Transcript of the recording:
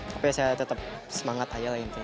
tapi saya tetap semangat aja lah intinya